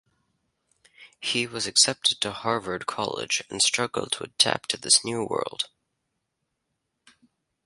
He was accepted to Harvard College and struggled to adapt to this new world.